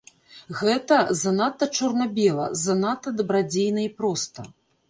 Гэта занадта чорна-бела, занадта дабрадзейна і проста.